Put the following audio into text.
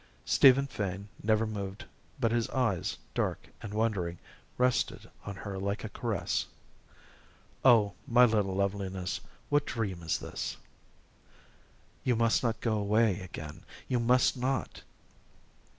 Stephen Fane never moved but his eyes, dark and wondering, rested on her like a caress. "Oh, my little Loveliness, what dream is this?" "You must not go away again, you must not."